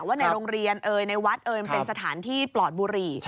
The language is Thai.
ว่าในโรงเรียนในวัดเป็นสถานที่ปลอดบุหรี่